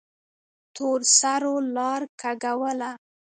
تورسرو لار کږوله.